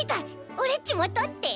オレっちもとって。